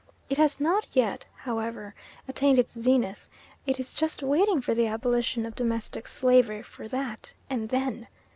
It has not yet, however, attained its zenith; it is just waiting for the abolition of domestic slavery for that and then!